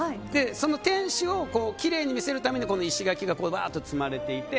その天守をきれいに見せるために石垣がばーっと積まれていて。